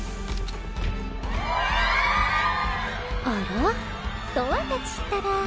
あら！